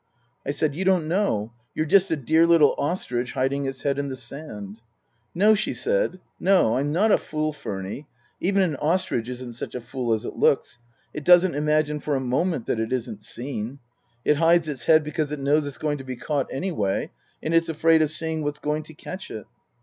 I said, " You don't know. You're just a dear little ostrich hiding its head in the sand." " No," she said. " No. I'm not a fool, Furny. Even an ostrich isn't such a fool as it looks. It doesn't imagine for a moment that it isn't seen. It hides its head because it knows it's going to be caught, anyway, and it's afraid of seeing what's going to catch it."